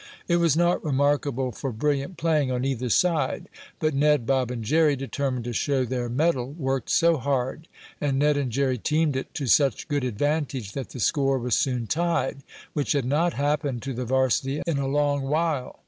It was not remarkable for brilliant playing on either side, but Ned, Bob and Jerry, determined to show their mettle, worked so hard, and Ned and Jerry teamed it to such good advantage that the score was soon tied, which had not happened to the varsity in a long while.